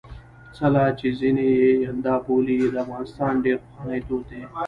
څِله چې ځيني يې یلدا بولي د افغانستان ډېر پخوانی دود دی.